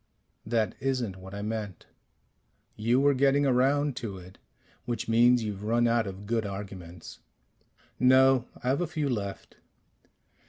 "That isn't what I meant " "You were getting around to it which means you've run out of good arguments." "No. I've a few left."